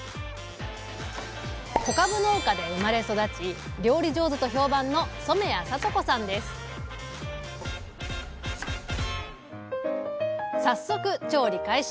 小かぶ農家で生まれ育ち料理上手と評判の早速調理開始！